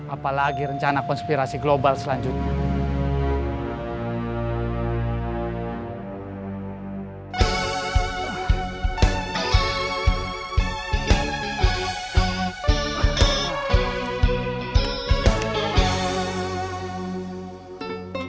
apalagi rencana konspirasi global selanjutnya